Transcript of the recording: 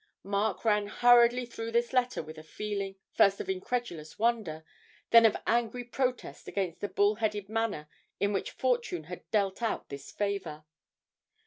Mark ran hurriedly through this letter with a feeling, first of incredulous wonder, then of angry protest against the bull headed manner in which Fortune had dealt out this favour.